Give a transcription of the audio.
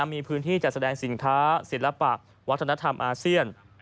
มีพื้นที่จัดแสดงสินค้าศิลปะวัฒนธรรมอาเซียน